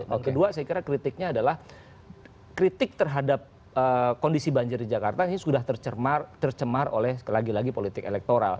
dan kedua saya kira kritiknya adalah kritik terhadap kondisi banjir di jakarta ini sudah tercemar oleh lagi lagi politik elektoral